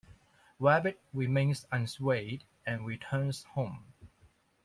Rabbit remains unswayed and returns home.